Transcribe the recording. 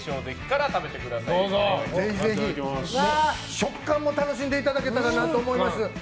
食感も楽しんでいただけたらと思います。